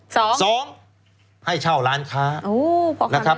สองสองให้เช่าร้านค้าโอ้พอคำนึงค้านะครับ